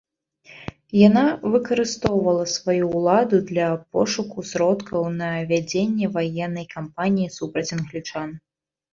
Яна выкарыстоўвала сваю ўладу для пошуку сродкаў на вядзенне ваеннай кампаніі супраць англічан.